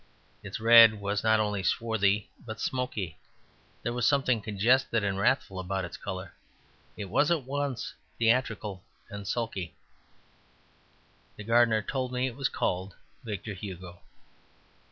Its red was not only swarthy, but smoky; there was something congested and wrathful about its colour. It was at once theatrical and sulky. The gardener told me it was called Victor Hugo.